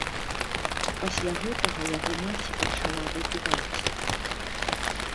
Пасля гэтага яго маці пачала выпіваць.